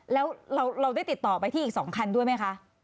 แล้วเราได้ติดต่อไปที่อีก๒คันด้วยไหมคะ